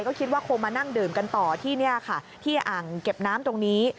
ก็คิดว่าคงมานั่งดื่มกันต่อที่นี่ค่ะที่อ่างเก็บน้ำตรงนี้